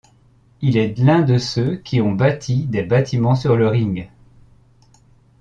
Il est l'un des ceux qui ont bâti des bâtiments sur le Ring.